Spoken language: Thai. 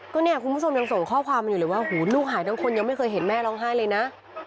ก็เนี่ยคุณผู้ชมยังส่งข้อความมาอยู่เลยว่าลูกหายทั้งคนยังไม่เคยเห็นแม่ร้องไห้เลยนะ